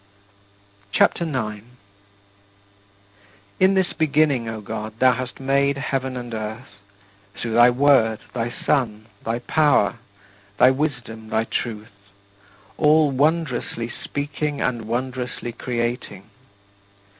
CHAPTER IX 11. In this Beginning, O God, thou hast made heaven and earth through thy Word, thy Son, thy Power, thy Wisdom, thy Truth: all wondrously speaking and wondrously creating.